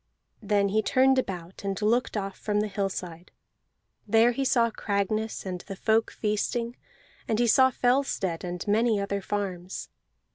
Then he turned about, and looked off from the hillside. There he saw Cragness, and the folk feasting; and he saw Fellstead and many other farms.